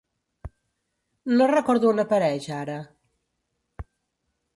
No recordo on apareix ara.